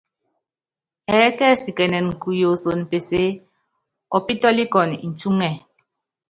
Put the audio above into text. Ɛɛkɛsikɛnɛnɛ kuyosono peseé, ɔpítɔ́likɔnɔ ncúŋɛ.